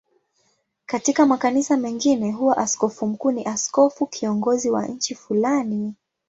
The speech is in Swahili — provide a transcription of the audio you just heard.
Katika makanisa mengine huwa askofu mkuu ni askofu kiongozi wa nchi fulani.